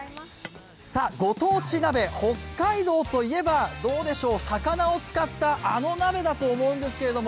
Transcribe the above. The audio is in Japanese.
ご当地鍋、北海道といえば、どうでしょう、魚を使ったあの鍋だと思うんですけれども。